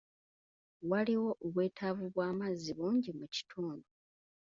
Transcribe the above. Waliwo obwetaavu bw'amazzi bungi mu kitundu.